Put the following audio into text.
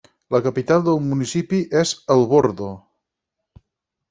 La capital del municipi és El Bordo.